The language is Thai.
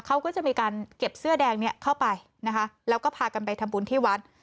เขาก็จะมีการเก็บเสื้อแดงเนี่ยเข้าไปนะคะแล้วก็พากันไปทำบุญที่วัด